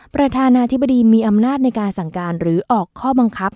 ประธานาธิบดีมีอำนาจในการสั่งการหรือออกข้อบังคับ